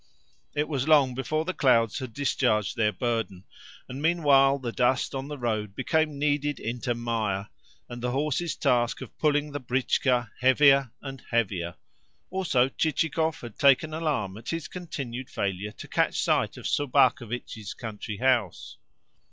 It was long before the clouds had discharged their burden, and, meanwhile, the dust on the road became kneaded into mire, and the horses' task of pulling the britchka heavier and heavier. Also, Chichikov had taken alarm at his continued failure to catch sight of Sobakevitch's country house.